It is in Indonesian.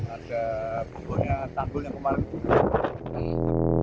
ada bugonya tanggulnya kemarin